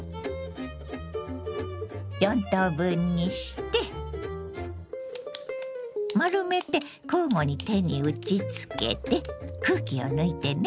４等分にして丸めて交互に手に打ちつけて空気を抜いてね。